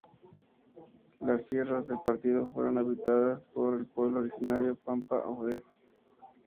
Las sierras del partido fueron habitadas por el pueblo originario pampa o "het".